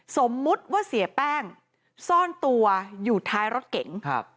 สมมุติว่าเสียแป้งซ่อนตัวอยู่ท้ายรถเก๋งครับ